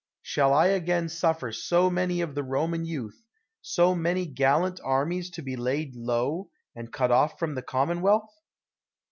Shall I again suffer so many of the Roman youth, so many gallant armies to be laid low, and cut off from the commonwealth?